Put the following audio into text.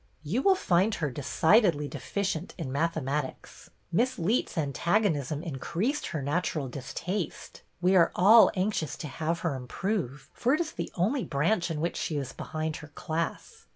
"You will find her decidedly deficient in mathematics. Miss Leet's antagonism in creased her natural distaste. We are all anxious to have her improve, for it is the only branch in which she is behind her class.